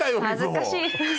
恥ずかしい。